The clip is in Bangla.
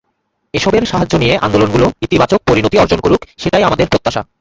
এসবের সাহায্য নিয়ে আন্দোলনগুলো ইতিবাচক পরিণতি অর্জন করুক, সেটাই আমাদের প্রত্যাশা।